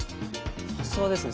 さすがですね。